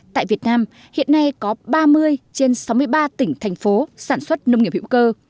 tại việt nam hiện nay có ba mươi trên sáu mươi ba tỉnh thành phố sản xuất nông nghiệp hữu cơ